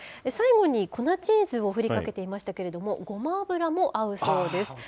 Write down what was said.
最後に粉チーズを振りかけていましたけれども、ごま油も合うそうです。